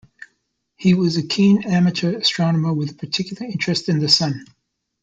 He was a keen amateur astronomer with a particular interest in the Sun.